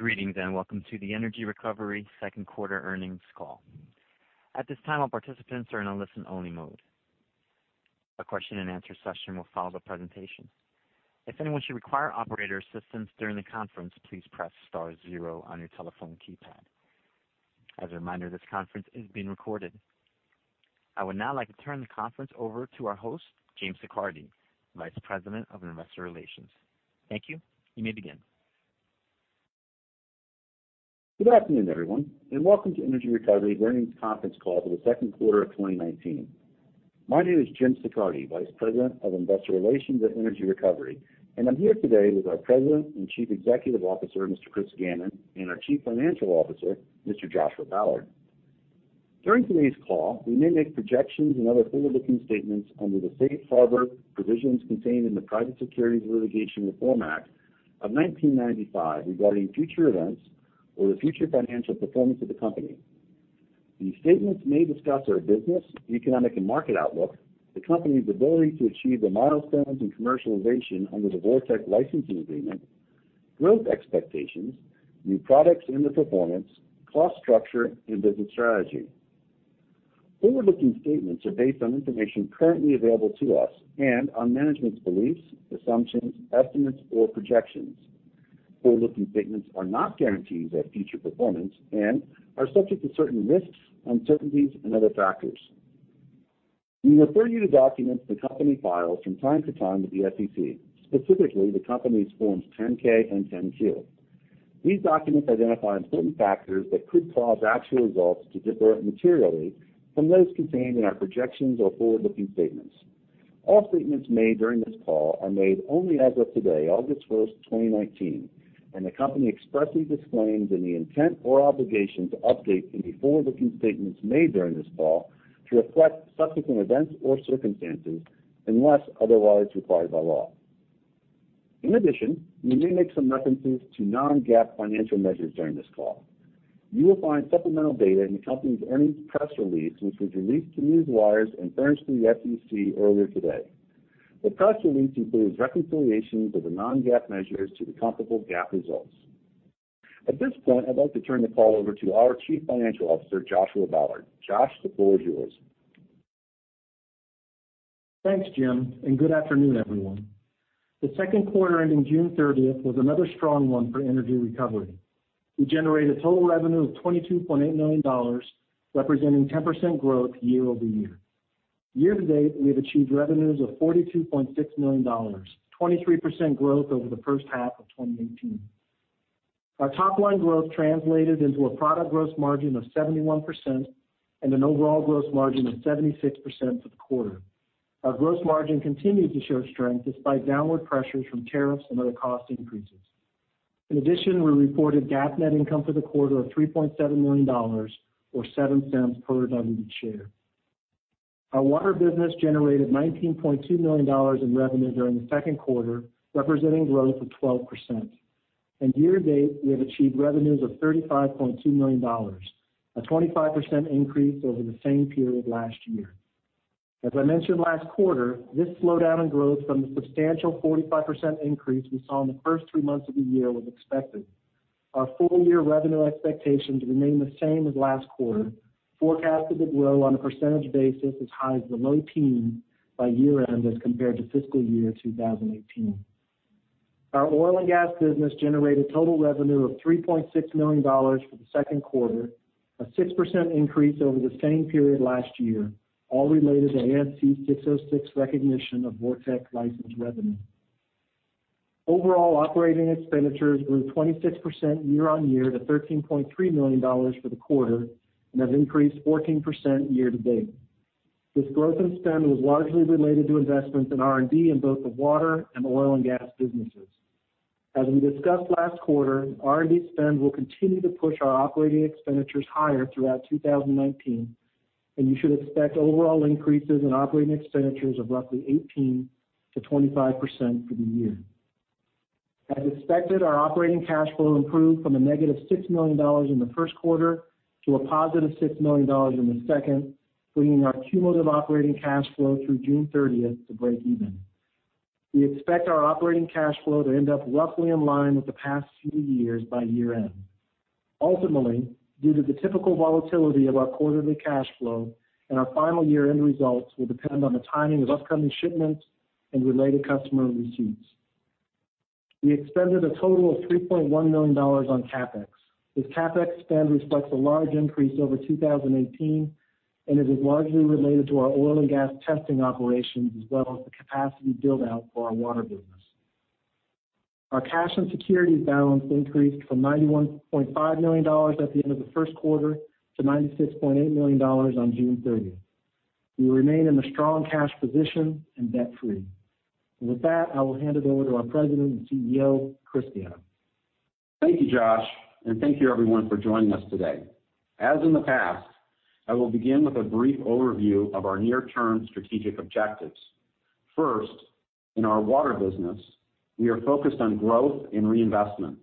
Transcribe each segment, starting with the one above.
Greetings. Welcome to the Energy Recovery second quarter earnings call. At this time, all participants are in a listen-only mode. A question and answer session will follow the presentation. If anyone should require operator assistance during the conference, please press star zero on your telephone keypad. As a reminder, this conference is being recorded. I would now like to turn the conference over to our host, James Siccardi, Vice President of Investor Relations. Thank you. You may begin. Good afternoon, everyone, and welcome to Energy Recovery's earnings conference call for the second quarter of 2019. My name is Jim Siccardi, Vice President of Investor Relations at Energy Recovery, and I'm here today with our President and Chief Executive Officer, Mr. Chris Gannon, and our Chief Financial Officer, Mr. Joshua Ballard. During today's call, we may make projections and other forward-looking statements under the safe harbor provisions contained in the Private Securities Litigation Reform Act of 1995 regarding future events or the future financial performance of the company. These statements may discuss our business, economic, and market outlook, the company's ability to achieve the milestones and commercialization under the VorTeq licensing agreement, growth expectations, new products and their performance, cost structure, and business strategy. Forward-looking statements are based on information currently available to us and on management's beliefs, assumptions, estimates, or projections. Forward-looking statements are not guarantees of future performance and are subject to certain risks, uncertainties, and other factors. We refer you to documents the company files from time to time with the SEC, specifically the company's Forms 10-K and 10-Q. These documents identify important factors that could cause actual results to differ materially from those contained in our projections or forward-looking statements. All statements made during this call are made only as of today, August 1st, 2019, and the company expressly disclaims any intent or obligation to update any forward-looking statements made during this call to reflect subsequent events or circumstances, unless otherwise required by law. In addition, we may make some references to non-GAAP financial measures during this call. You will find supplemental data in the company's earnings press release, which was released to newswires and furnished through the SEC earlier today. The press release includes reconciliations of the non-GAAP measures to the comparable GAAP results. At this point, I'd like to turn the call over to our Chief Financial Officer, Joshua Ballard. Josh, the floor is yours. Thanks, Jim. Good afternoon, everyone. The second quarter ending June 30th was another strong one for Energy Recovery. We generated total revenue of $22.8 million, representing 10% growth year-over-year. Year-to-date, we have achieved revenues of $42.6 million, 23% growth over the first half of 2018. Our top-line growth translated into a product gross margin of 71% and an overall gross margin of 76% for the quarter. Our gross margin continued to show strength despite downward pressures from tariffs and other cost increases. In addition, we reported GAAP net income for the quarter of $3.7 million or $0.07 per diluted share. Our water business generated $19.2 million in revenue during the second quarter, representing growth of 12%. Year-to-date, we have achieved revenues of $35.2 million, a 25% increase over the same period last year. As I mentioned last quarter, this slowdown in growth from the substantial 45% increase we saw in the first three months of the year was expected. Our full-year revenue expectations remain the same as last quarter, forecasted to grow on a percentage basis as high as the low teens by year-end as compared to fiscal year 2018. Our oil and gas business generated total revenue of $3.6 million for the second quarter, a 6% increase over the same period last year, all related to ASC 606 recognition of VorTeq license revenue. Overall operating expenditures grew 26% year-on-year to $13.3 million for the quarter and have increased 14% year-to-date. This growth in spend was largely related to investments in R&D in both the water and oil and gas businesses. As we discussed last quarter, R&D spend will continue to push our operating expenditures higher throughout 2019, and you should expect overall increases in operating expenditures of roughly 18%-25% for the year. As expected, our operating cash flow improved from a negative $6 million in the first quarter to a positive $6 million in the second, bringing our cumulative operating cash flow through June 30th to breakeven. We expect our operating cash flow to end up roughly in line with the past few years by year-end. Ultimately, due to the typical volatility of our quarterly cash flow and our final year-end results will depend on the timing of upcoming shipments and related customer receipts. We expended a total of $3.1 million on CapEx. This CapEx spend reflects a large increase over 2018 and it is largely related to our oil and gas testing operations as well as the capacity build-out for our water business. Our cash and securities balance increased from $91.5 million at the end of the first quarter to $96.8 million on June 30th. We remain in a strong cash position and debt-free. With that, I will hand it over to our President and CEO, Chris Gannon. Thank you, Josh, and thank you everyone for joining us today. As in the past, I will begin with a brief overview of our near-term strategic objectives. First, in our water business, we are focused on growth and reinvestment.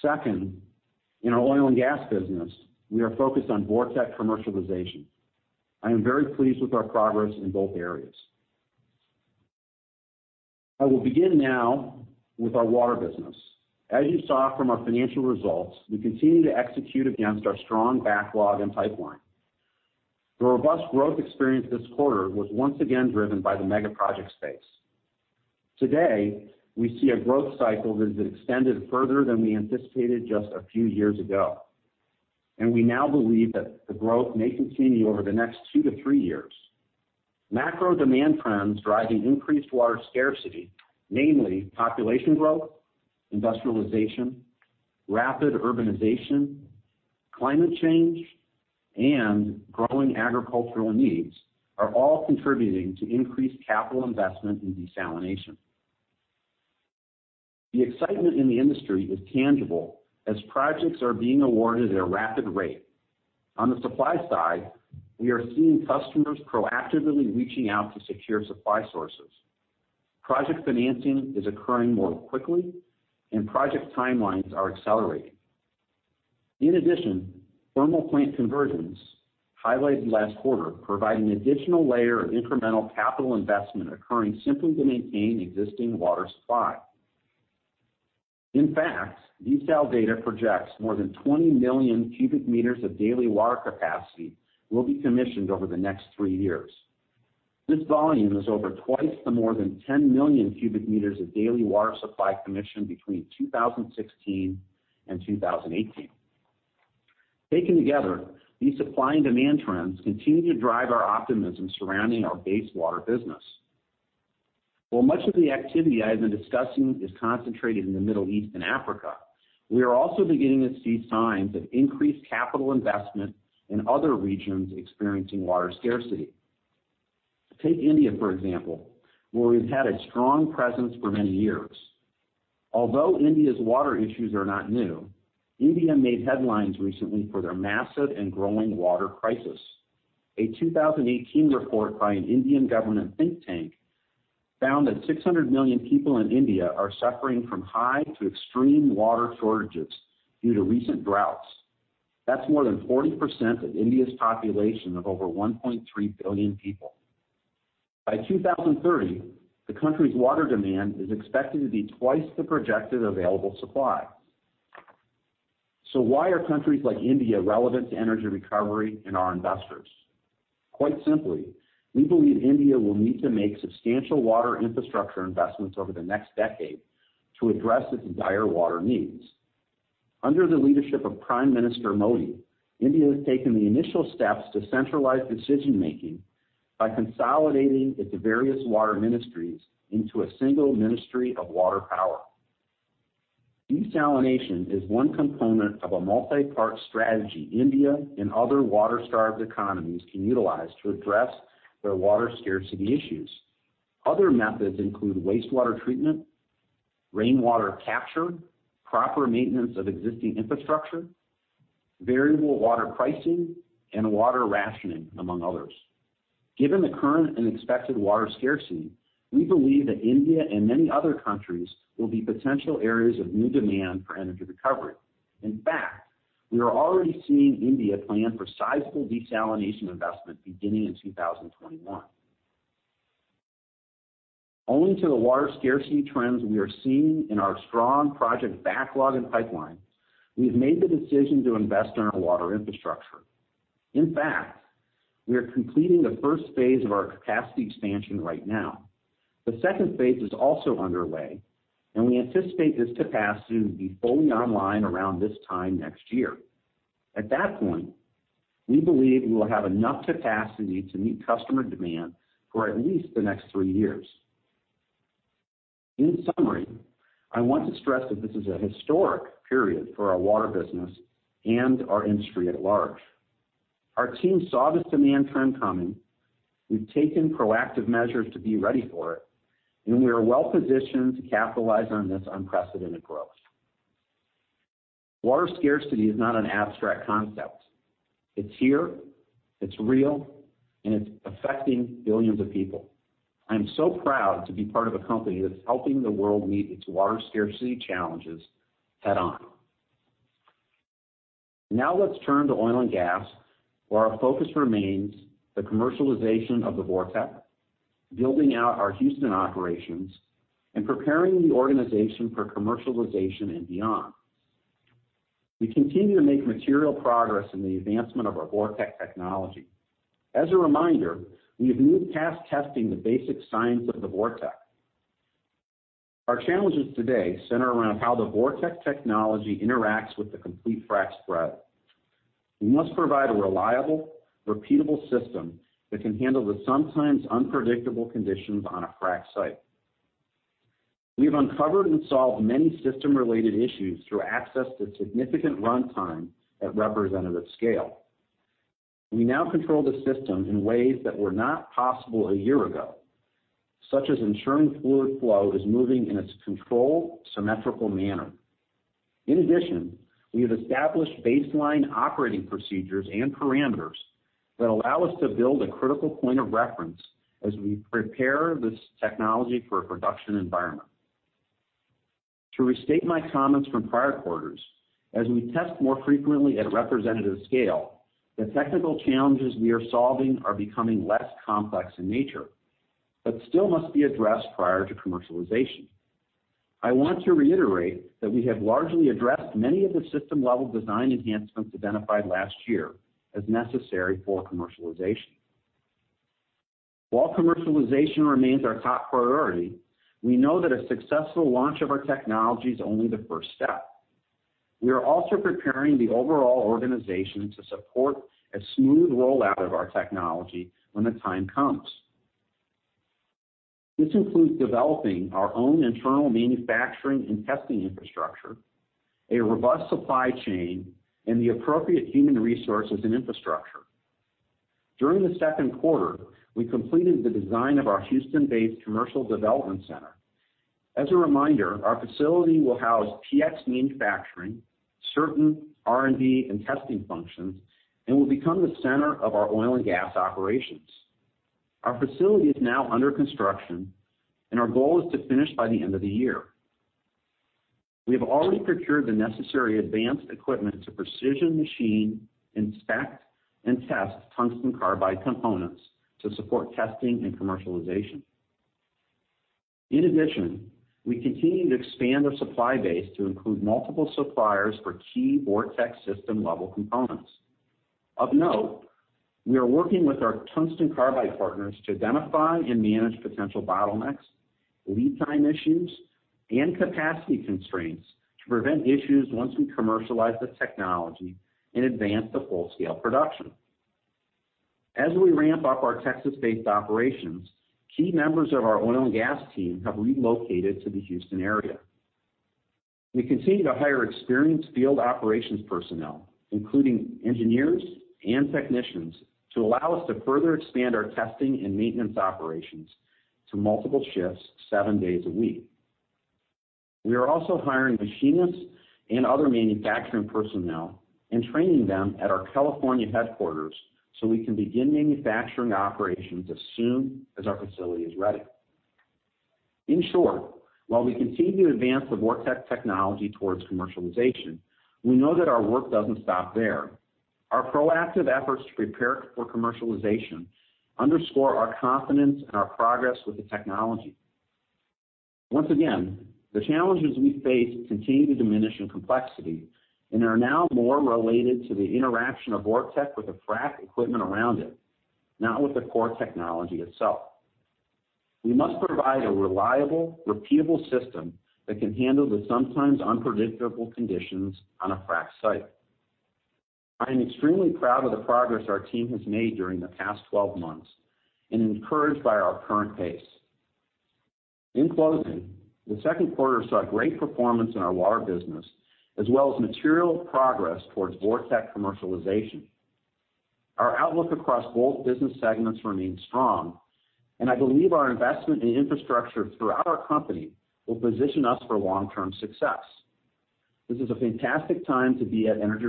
Second, in our oil and gas business, we are focused on VorTeq commercialization. I am very pleased with our progress in both areas. I will begin now with our water business. As you saw from our financial results, we continue to execute against our strong backlog and pipeline. The robust growth experience this quarter was once again driven by the mega project space. Today, we see a growth cycle that has extended further than we anticipated just a few years ago, and we now believe that the growth may continue over the next two to three years. Macro demand trends driving increased water scarcity, namely population growth, industrialization, rapid urbanization, climate change, and growing agricultural needs, are all contributing to increased capital investment in desalination. The excitement in the industry is tangible as projects are being awarded at a rapid rate. On the supply side, we are seeing customers proactively reaching out to secure supply sources. Project financing is occurring more quickly and project timelines are accelerating. In addition, thermal plant conversions, highlighted last quarter, provide an additional layer of incremental capital investment occurring simply to maintain existing water supply. In fact, DesalData projects more than 20 million cubic meters of daily water capacity will be commissioned over the next three years. This volume is over twice the more than 10 million cubic meters of daily water supply commissioned between 2016 and 2018. Taken together, these supply and demand trends continue to drive our optimism surrounding our base water business. While much of the activity I have been discussing is concentrated in the Middle East and Africa, we are also beginning to see signs of increased capital investment in other regions experiencing water scarcity. Take India, for example, where we've had a strong presence for many years. Although India's water issues are not new, India made headlines recently for their massive and growing water crisis. A 2018 report by an Indian government think tank found that 600 million people in India are suffering from high to extreme water shortages due to recent droughts. That's more than 40% of India's population of over 1.3 billion people. By 2030, the country's water demand is expected to be twice the projected available supply. Why are countries like India relevant to Energy Recovery and our investors? Quite simply, we believe India will need to make substantial water infrastructure investments over the next decade to address its dire water needs. Under the leadership of Prime Minister Modi, India has taken the initial steps to centralize decision-making by consolidating its various water ministries into a single ministry of water power. Desalination is one component of a multi-part strategy India and other water-starved economies can utilize to address their water scarcity issues. Other methods include wastewater treatment, rainwater capture, proper maintenance of existing infrastructure, variable water pricing, and water rationing, among others. Given the current and expected water scarcity, we believe that India and many other countries will be potential areas of new demand for Energy Recovery. In fact, we are already seeing India plan for sizable desalination investment beginning in 2021. Owing to the water scarcity trends we are seeing in our strong project backlog and pipeline, we've made the decision to invest in our water infrastructure. In fact, we are completing the first phase of our capacity expansion right now. The second phase is also underway, and we anticipate this capacity to be fully online around this time next year. At that point, we believe we will have enough capacity to meet customer demand for at least the next three years. In summary, I want to stress that this is a historic period for our water business and our industry at large. Our team saw this demand trend coming, we've taken proactive measures to be ready for it, and we are well-positioned to capitalize on this unprecedented growth. Water scarcity is not an abstract concept. It's here, it's real, and it's affecting billions of people. I'm so proud to be part of a company that's helping the world meet its water scarcity challenges head-on. Let's turn to oil and gas, where our focus remains the commercialization of the VorTeq, building out our Houston operations, and preparing the organization for commercialization and beyond. We continue to make material progress in the advancement of our VorTeq technology. As a reminder, we have moved past testing the basic science of the VorTeq. Our challenges today center around how the VorTeq technology interacts with the complete frac spread. We must provide a reliable, repeatable system that can handle the sometimes unpredictable conditions on a frac site. We've uncovered and solved many system-related issues through access to significant runtime at representative scale. We now control the systems in ways that were not possible a year ago, such as ensuring fluid flow is moving in its controlled, symmetrical manner. We have established baseline operating procedures and parameters that allow us to build a critical point of reference as we prepare this technology for a production environment. To restate my comments from prior quarters, as we test more frequently at a representative scale, the technical challenges we are solving are becoming less complex in nature, but still must be addressed prior to commercialization. I want to reiterate that we have largely addressed many of the system-level design enhancements identified last year as necessary for commercialization. While commercialization remains our top priority, we know that a successful launch of our technology is only the first step. We are also preparing the overall organization to support a smooth rollout of our technology when the time comes. This includes developing our own internal manufacturing and testing infrastructure, a robust supply chain, and the appropriate human resources and infrastructure. During the second quarter, we completed the design of our Houston-based Commercial Development Center. As a reminder, our facility will house PX manufacturing, certain R&D and testing functions, and will become the center of our oil and gas operations. Our facility is now under construction, and our goal is to finish by the end of the year. We have already procured the necessary advanced equipment to precision machine, inspect, and test tungsten carbide components to support testing and commercialization. We continue to expand our supply base to include multiple suppliers for key VorTeq system-level components. Of note, we are working with our tungsten carbide partners to identify and manage potential bottlenecks, lead time issues, and capacity constraints to prevent issues once we commercialize the technology and advance to full-scale production. As we ramp up our Texas-based operations, key members of our oil and gas team have relocated to the Houston area. We continue to hire experienced field operations personnel, including engineers and technicians, to allow us to further expand our testing and maintenance operations to multiple shifts, seven days a week. We are also hiring machinists and other manufacturing personnel and training them at our California headquarters so we can begin manufacturing operations as soon as our facility is ready. In short, while we continue to advance the VorTeq technology towards commercialization, we know that our work doesn't stop there. Our proactive efforts to prepare for commercialization underscore our confidence and our progress with the technology. Once again, the challenges we face continue to diminish in complexity and are now more related to the interaction of VorTeq with the frac equipment around it, not with the core technology itself. We must provide a reliable, repeatable system that can handle the sometimes unpredictable conditions on a frac site. I am extremely proud of the progress our team has made during the past 12 months and encouraged by our current pace. In closing, the second quarter saw great performance in our water business, as well as material progress towards VorTeq commercialization. Our outlook across both business segments remains strong, and I believe our investment in infrastructure throughout our company will position us for long-term success. This is a fantastic time to be at Energy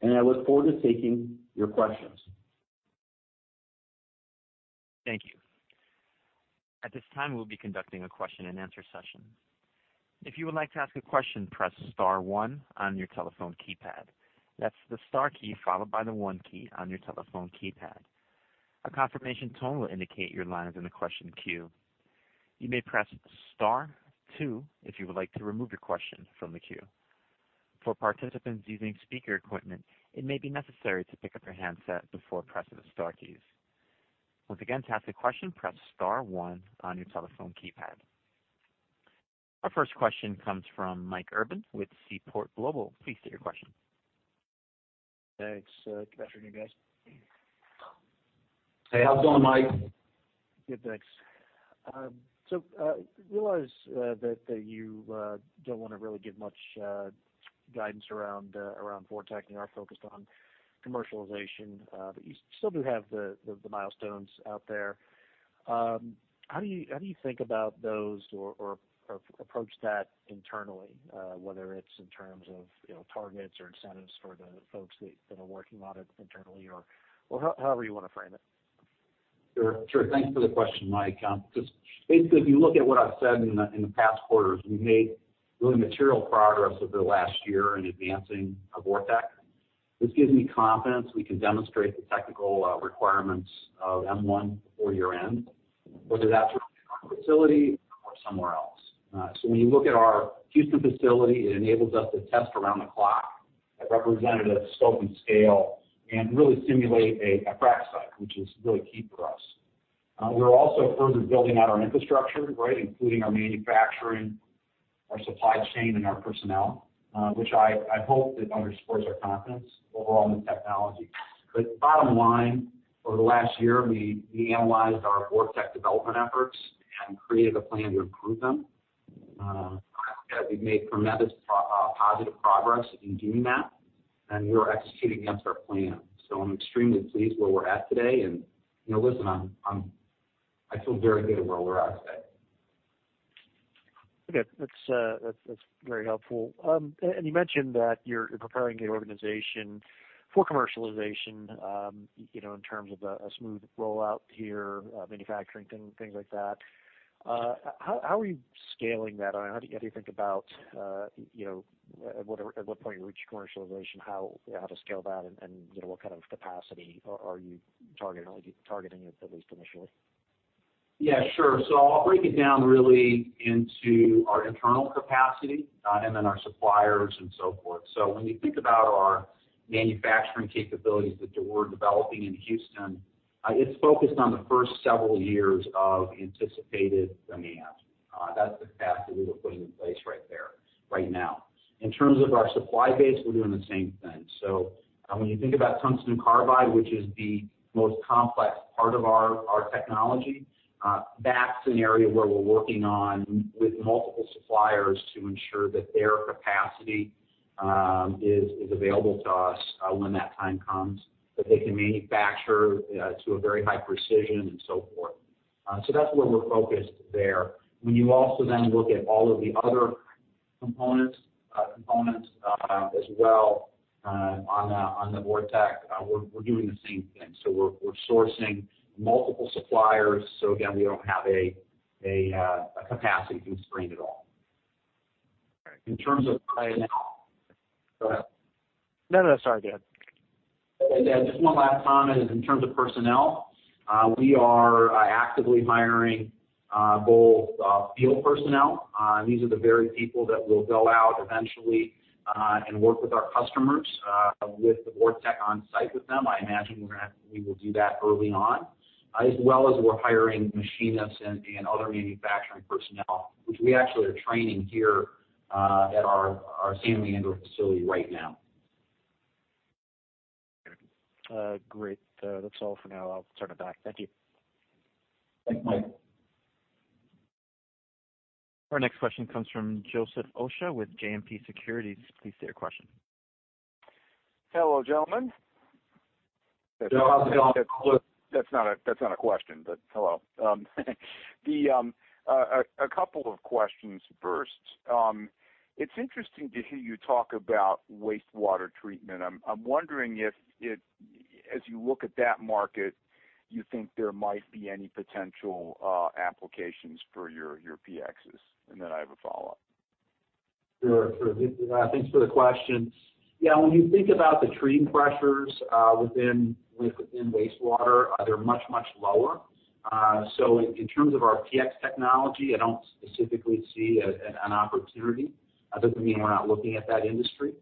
Recovery, and I look forward to taking your questions. Thank you. At this time, we'll be conducting a question-and-answer session. If you would like to ask a question, press *1 on your telephone keypad. That's the star key followed by the 1 key on your telephone keypad. A confirmation tone will indicate your line is in the question queue. You may press *2 if you would like to remove your question from the queue. For participants using speaker equipment, it may be necessary to pick up your handset before pressing the star keys. Once again, to ask a question, press *1 on your telephone keypad. Our first question comes from Mike Urban with Seaport Global. Please state your question. Thanks. Good afternoon, guys. Hey, how's it going, Mike? Good, thanks. I realize that you don't want to really give much guidance around VorTeq and are focused on commercialization, but you still do have the milestones out there. How do you think about those or approach that internally, whether it's in terms of targets or incentives for the folks that are working on it internally or however you want to frame it? Sure. Thanks for the question, Mike. Basically, if you look at what I've said in the past quarters, we've made really material progress over the last year in advancing VorTeq. This gives me confidence we can demonstrate the technical requirements of M1 before year-end, whether that's our facility or somewhere else. When you look at our Houston facility, it enables us to test around the clock at representative scope and scale and really simulate a frac site, which is really key for us. We're also further building out our infrastructure, including our manufacturing, our supply chain, and our personnel, which I hope it underscores our confidence overall in the technology. Bottom line, over the last year, we analyzed our VorTeq development efforts and created a plan to improve them. I'd say we've made tremendous positive progress in doing that, and we are executing against our plan. I'm extremely pleased where we're at today, and listen, I feel very good at where we're at today. Okay. That's very helpful. You mentioned that you're preparing the organization for commercialization, in terms of a smooth rollout here, manufacturing, things like that. How are you scaling that? How do you think about at what point you reach commercialization, how to scale that, and what kind of capacity are you targeting, at least initially? Yeah, sure. I'll break it down really into our internal capacity, and then our suppliers and so forth. When you think about our manufacturing capabilities that we're developing in Houston, it's focused on the first several years of anticipated demand. That's the capacity that we're putting in place right there right now. In terms of our supply base, we're doing the same thing. When you think about tungsten carbide, which is the most complex part of our technology, that's an area where we're working on with multiple suppliers to ensure that their capacity is available to us when that time comes, that they can manufacture to a very high precision and so forth. That's where we're focused there. When you also then look at all of the other components as well on the VorTeq, we're doing the same thing. We're sourcing multiple suppliers. Again, we don't have a capacity constraint at all. Go ahead. No, sorry. Go ahead. One last comment is in terms of personnel, we are actively hiring both field personnel. These are the very people that will go out eventually and work with our customers, with the VorTeq on site with them. I imagine we will do that early on, as well as we're hiring machinists and other manufacturing personnel, which we actually are training here at our San Leandro facility right now. Great. That's all for now. I'll turn it back. Thank you. Thanks, Mike. Our next question comes from Joseph Osha with JMP Securities. Please state your question. Hello, gentlemen. Hello. That's not a question. Hello. A couple of questions. First, it's interesting to hear you talk about wastewater treatment. I'm wondering if, as you look at that market, you think there might be any potential applications for your PXs? I have a follow-up. Sure. Thanks for the question. Yeah, when you think about the treating pressures within wastewater, they're much, much lower. In terms of our PX technology, I don't specifically see an opportunity. That doesn't mean we're not looking at that industry.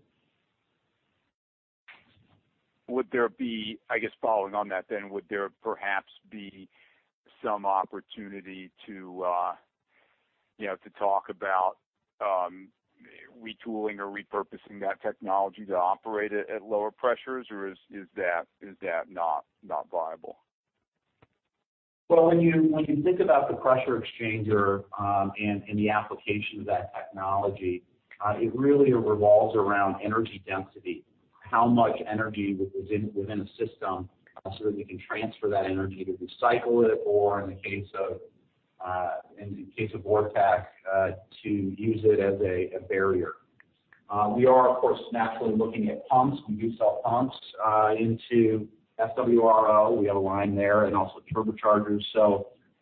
I guess following on that, would there perhaps be some opportunity to talk about retooling or repurposing that technology to operate at lower pressures, or is that not viable? Well, when you think about the pressure exchanger and the application of that technology, it really revolves around energy density, how much energy within a system, so that we can transfer that energy to recycle it, or in the case of VorTeq, to use it as a barrier. We are, of course, naturally looking at pumps. We do sell pumps into SWRO. We have a line there, and also turbochargers.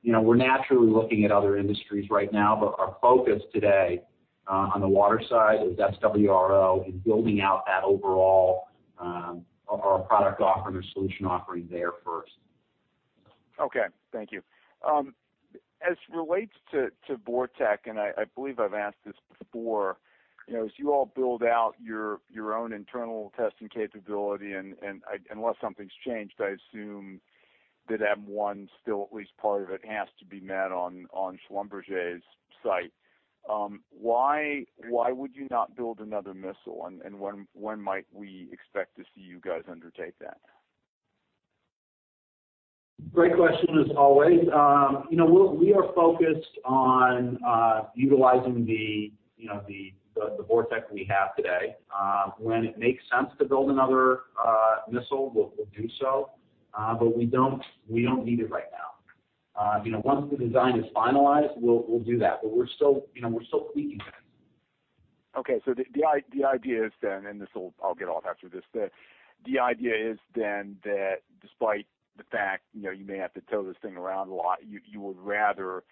We're naturally looking at other industries right now, but our focus today on the water side is SWRO and building out that overall product offering or solution offering there first. Okay. Thank you. As relates to VorTeq, and I believe I've asked this before, as you all build out your own internal testing capability, and unless something's changed, I assume that M1 still, at least part of it, has to be met on Schlumberger's site. Why would you not build another missile, and when might we expect to see you guys undertake that? Great question as always. We are focused on utilizing the VorTeq we have today. When it makes sense to build another missile, we'll do so. We don't need it right now. Once the design is finalized, we'll do that. We're still tweaking that. Okay, I'll get off after this then. The idea is then that despite the fact you may have to tow this thing around a lot, you would rather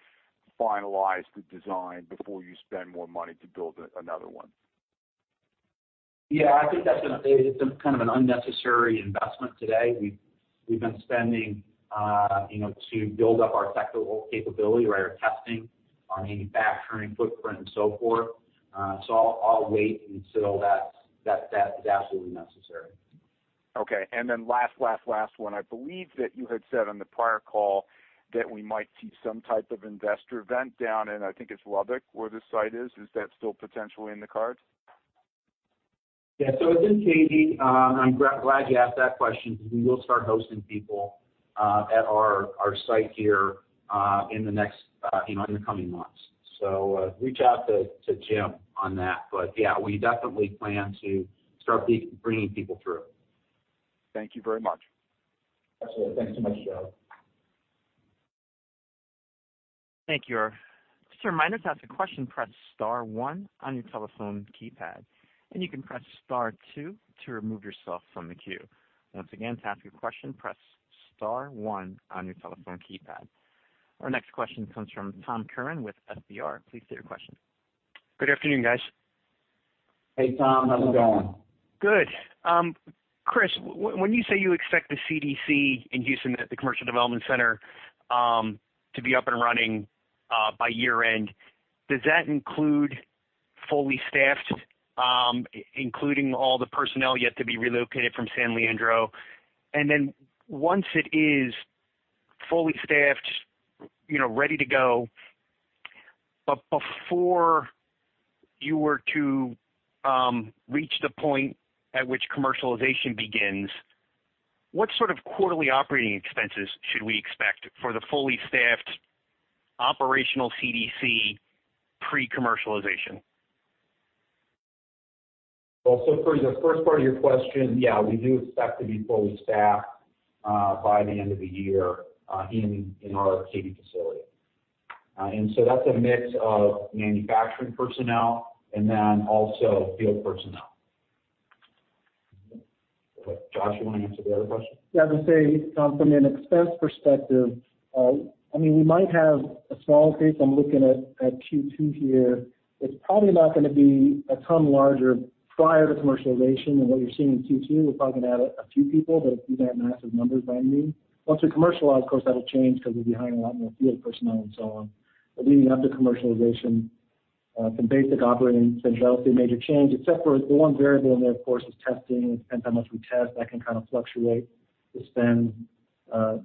finalize the design before you spend more money to build another one? Yeah, I think that's an unnecessary investment today. We've been spending to build up our technical capability, our testing, our manufacturing footprint, and so forth. I'll wait until that's absolutely necessary. Okay, last one. I believe that you had said on the prior call that we might see some type of investor event down in, I think it's Lubbock, where this site is. Is that still potentially in the cards? Yeah. It's in Katy. I'm glad you asked that question because we will start hosting people at our site here in the coming months. Reach out to Jim on that. Yeah, we definitely plan to start bringing people through. Thank you very much. Absolutely. Thanks so much, Joe. Thank you, Irv. Just a reminder, to ask a question, press star one on your telephone keypad, and you can press star two to remove yourself from the queue. Once again, to ask a question, press star one on your telephone keypad. Our next question comes from Tom Curran with FBR. Please state your question. Good afternoon, guys. Hey, Tom. How's it going? Good. Chris, when you say you expect the CDC in Houston, the Commercial Development Center, to be up and running by year-end, does that include fully staffed, including all the personnel yet to be relocated from San Leandro? Once it is fully staffed, ready to go, but before you were to reach the point at which commercialization begins, what sort of quarterly operating expenses should we expect for the fully staffed operational CDC pre-commercialization? For the first part of your question, yeah, we do expect to be fully staffed by the end of the year in our Katy facility. That's a mix of manufacturing personnel and then also field personnel. Josh, you want to answer the other question? I'd say, Tom, from an expense perspective, we might have a small increase. I'm looking at Q2 here. It's probably not going to be a ton larger prior to commercialization than what you're seeing in Q2. We're probably going to add a few people, but it's not massive numbers by any means. Once we commercialize, of course, that'll change because we'll be hiring a lot more field personnel and so on. Leading up to commercialization, the basic operating should be relatively major change, except for the one variable in there, of course, is testing. It depends how much we test. That can kind of fluctuate the spend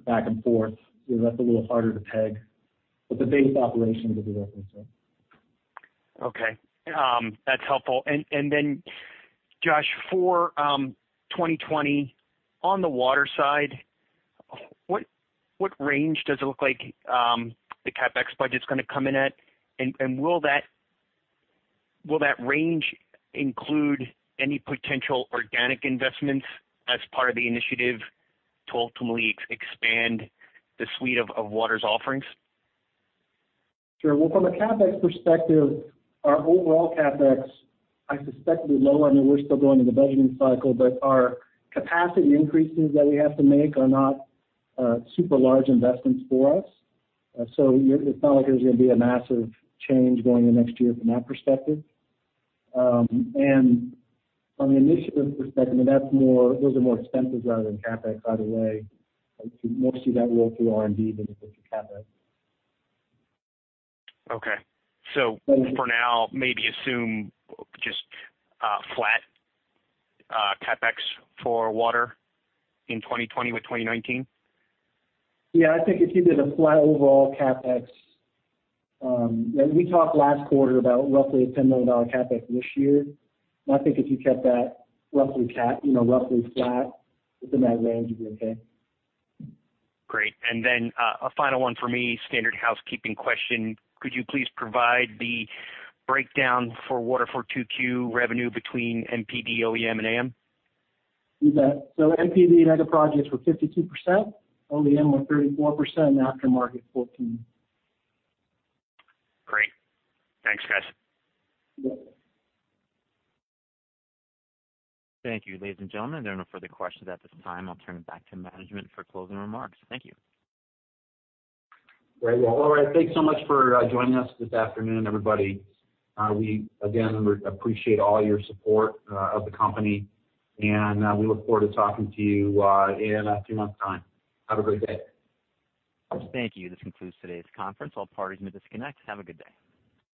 back and forth. That's a little harder to peg. The basic operations will be roughly the same. Okay. That's helpful. Josh, for 2020, on the water side, what range does it look like the CapEx budget is going to come in at? Will that range include any potential organic investments as part of the initiative to ultimately expand the suite of water's offerings? Sure. Well, from a CapEx perspective, our overall CapEx, I suspect, will be low. We're still going through the budgeting cycle, but our capacity increases that we have to make are not super large investments for us. It's not like there's going to be a massive change going into next year from that perspective. From the initiative perspective, those are more expenses rather than CapEx, by the way. You mostly see that roll through R&D than it does with your CapEx. Okay. For now, maybe assume just flat CapEx for water in 2020 with 2019? Yeah, I think if you did a flat overall CapEx, we talked last quarter about roughly a $10 million CapEx this year. I think if you kept that roughly flat within that range, you'd be okay. Great. A final one for me, standard housekeeping question. Could you please provide the breakdown for water for 2Q revenue between MPD, OEM, and AM? You bet. MPD mega projects were 52%, OEM was 34%, and aftermarket 14%. Great. Thanks, guys. Yep. Thank you. Ladies and gentlemen, there are no further questions at this time. I'll turn it back to management for closing remarks. Thank you. Very well. All right. Thanks so much for joining us this afternoon, everybody. We, again, appreciate all your support of the company, and we look forward to talking to you in a few months' time. Have a great day. Thank you. This concludes today's conference. All parties may disconnect. Have a good day.